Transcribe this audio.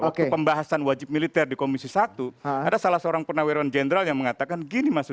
waktu pembahasan wajib militer di komisi satu ada salah seorang penawiran jenderal yang mengatakan gini mas